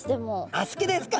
あっ好きですか。